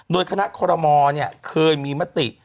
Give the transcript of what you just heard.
โดยคณะคอรมอเนี่ยเคยมีมติ